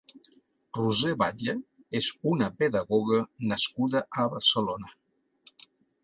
Roser Batlle és una pedagoga nascuda a Barcelona.